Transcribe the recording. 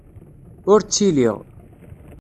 Ur ttiliɣ.